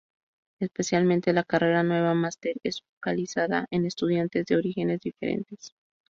Especialmente la carrera nueva master es focalizado en estudiantes de orígenes diferentes.